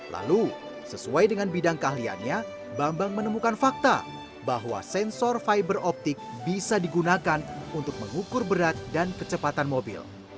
lalu sesuai dengan bidang keahliannya bambang menemukan fakta bahwa sensor fiberoptik bisa digunakan untuk mengukur berat dan kecepatan mobil